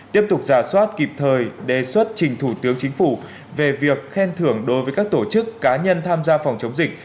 tiếp tục giả soát kịp thời đề xuất trình thủ tướng chính phủ về việc khen thưởng đối với các tổ chức cá nhân tham gia phòng chống dịch